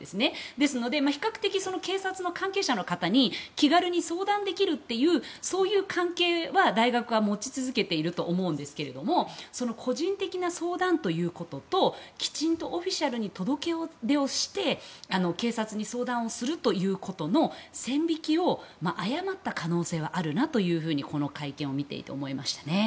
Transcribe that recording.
ですので比較的、警察の関係者の方に気軽に相談できるという関係は大学は持ち続けていると思うんですけれども個人的な相談ということときちんとオフィシャルに届出をして警察に相談をするということの線引きを誤った可能性はあるなとこの会見を見ていて思いましたね。